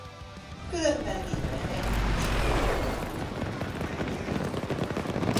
Különben lírai egyéniség volt.